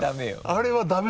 あれはダメよ。